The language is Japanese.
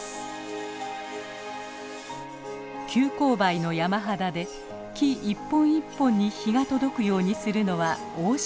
急勾配の山肌で木１本１本に日が届くようにするのは大仕事。